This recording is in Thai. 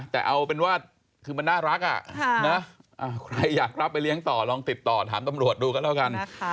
แต่เอาเป็นว่าคือมันน่ารักใครอยากรับไปเลี้ยงต่อลองติดต่อถามตำรวจดูกันแล้วกัน